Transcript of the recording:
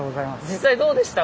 実際どうでした？